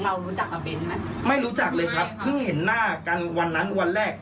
เรารู้จักกับเน้นไหมไม่รู้จักเลยครับเพิ่งเห็นหน้ากันวันนั้นวันแรก